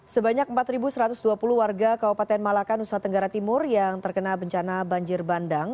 sebanyak empat satu ratus dua puluh warga kabupaten malaka nusa tenggara timur yang terkena bencana banjir bandang